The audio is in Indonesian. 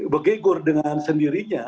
begigur dengan sendirinya